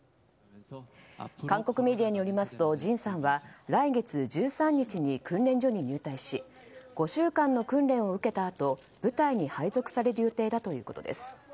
韓国メディアによりますとＪＩＮさんは来月１３日に訓練所に入隊し５週間の訓練を受けたあと部隊に配属される予定だということです。